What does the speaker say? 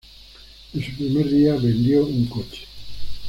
En su primer día vendió un coche.